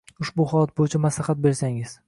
Ushbu holat bo‘yicha maslaxat bersangiz.